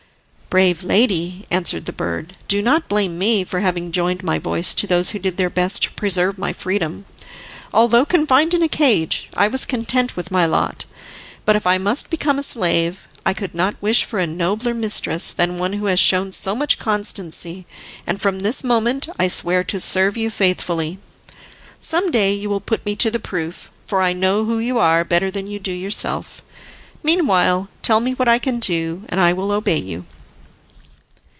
"Brave lady," answered the bird, "do not blame me for having joined my voice to those who did their best to preserve my freedom. Although confined in a cage, I was content with my lot, but if I must become a slave, I could not wish for a nobler mistress than one who has shown so much constancy, and from this moment I swear to serve you faithfully. Some day you will put me to the proof, for I know who you are better than you do yourself. Meanwhile, tell me what I can do, and I will obey you."